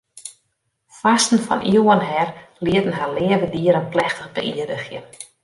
Foarsten fan iuwen her lieten har leave dieren plechtich beïerdigje.